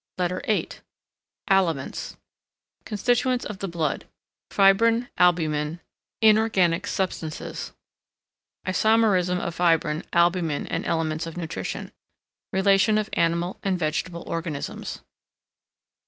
LETTER VIII ALIMENTS. Constituents of the Blood. Fibrine, Albumen. Inorganic Substances. Isomerism of Fibrine, Albumen, and elements of nutrition. Relation of animal and vegetable organisms.